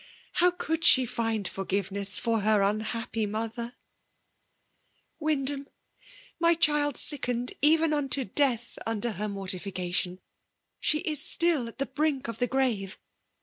Haw could she find foi^pTsness for het un happy mother !" Wyndham ! my child sickened even unto deafh under her mortificatioii. She is still at the brink of the grave!